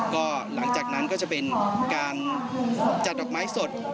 ก็หลังจากนั้นก็จะเป็นการจัดดอกไม้สด